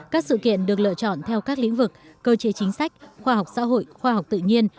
các sự kiện được lựa chọn theo các lĩnh vực cơ chế chính sách khoa học xã hội khoa học tự nhiên